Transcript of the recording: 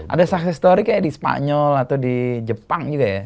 ada sukses story kayak di spanyol atau di jepang juga ya